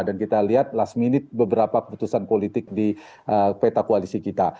dan kita lihat last minute beberapa keputusan politik di peta koalisi kita